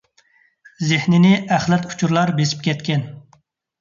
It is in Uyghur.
زېھىننى ئەخلەت ئۇچۇرلار بېسىپ كەتكەن.